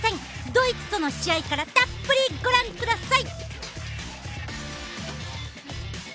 ドイツとの試合からたっぷりご覧ください！